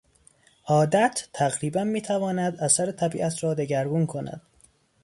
عادت تقریبا میتواند اثر طبیعت را دگرگون کند.